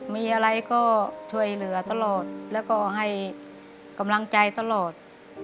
มีอะไรก็ช่วยเหลือตลอดแล้วก็ให้กำลังใจตลอด